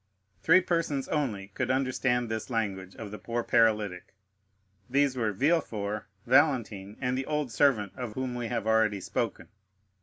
Three persons only could understand this language of the poor paralytic; these were Villefort, Valentine, and the old servant of whom we have already spoken.